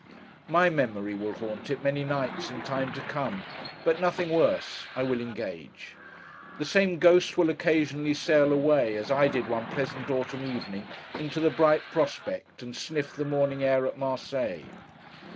My memory will haunt it, many nights, in time to come; but nothing worse, I will engage. The same Ghost will occasionally sail away, as I did one pleasant autumn evening, into the bright prospect, and sniff the morning air at Marseilles.